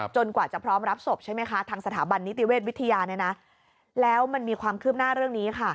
จนกว่าจะพร้อมรับศพวิทยาและมีความคืบหน้าเรื่องนี้